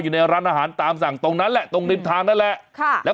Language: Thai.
อยู่ในร้านอาหารตามสั่งตรงนั้นแหละตรงริมทางนั่นแหละค่ะแล้ว